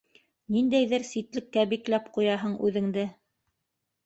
Ниндәйҙер ситлеккә бикләп ҡуяһың үҙеңде.